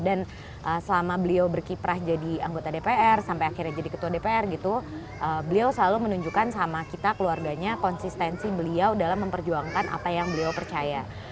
dan selama beliau berkiprah jadi anggota dpr sampai akhirnya jadi ketua dpr gitu beliau selalu menunjukkan sama kita keluarganya konsistensi beliau dalam memperjuangkan apa yang beliau percaya